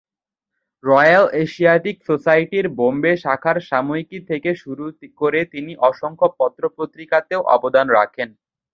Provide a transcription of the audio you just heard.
Royal Asiatic সোসাইটির বম্বে শাখার সাময়িকী থেকে শুরু করে তিনি অসংখ্য পত্র-পত্রিকাতেও অবদান রাখেন।